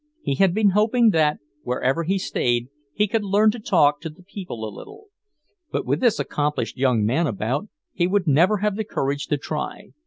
He had been hoping that, wherever he stayed, he could learn to talk to the people a little; but with this accomplished young man about, he would never have the courage to try.